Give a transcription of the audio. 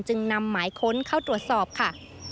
จึงนำหมายค้นเข้าตรวจสอบค่ะ